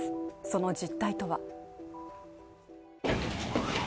その実態とは。